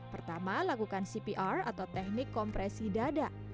pertama lakukan cpr atau teknik kompresi dada